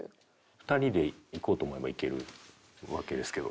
２人で行こうと思えば行けるわけですけど。